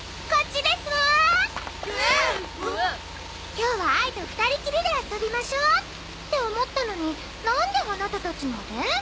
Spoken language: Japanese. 今日はあいと２人きりで遊びましょうって思ったのになんでアナタたちまで？